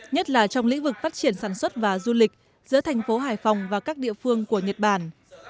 nhất là trong lĩnh vực phát triển sản xuất và du lịch giữa thành phố hải phòng và các địa phương của nhật bản